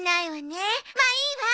まあいいわ！